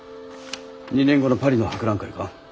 ２年後のパリの博覧会か。